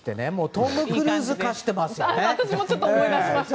トム・クルーズ化してますよね。